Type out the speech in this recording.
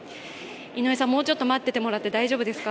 もうちょっと待っててもらって大丈夫ですか？